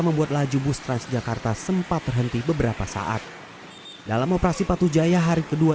membuat laju bus transjakarta sempat terhenti beberapa saat dalam operasi patu jaya hari kedua